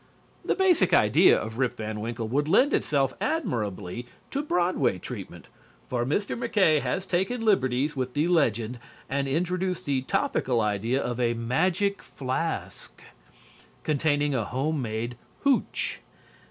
The basic idea of "Rip Van Winkle" would lend itself admirably to Broadway treatment, for Mr. MacKaye has taken liberties, with the legend and introduced the topical idea of a Magic Flask, containing home made hootch.